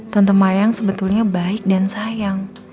tante mayang sebetulnya baik dan sayang